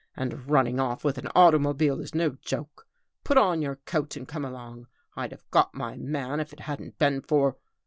And running off with an automobile is no joke. Put on your coat and come along. I'd have got my man if it hadn't been for